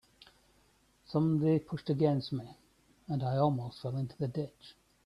Somebody pushed against me, and I almost fell into the ditch.